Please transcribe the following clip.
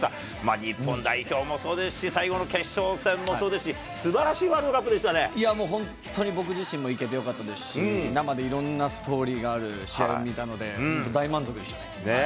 日本代表もそうですし、最後の決勝戦もそうですし、すばらしいワいや、もう本当に僕自身も行けてよかったですし、生でいろんなストーリーがある試合を見たので、大満足でしたね。ねぇ。